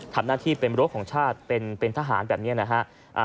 ทำหน้าที่เป็นรั้วของชาติเป็นทหารแบบนี้นะฮะ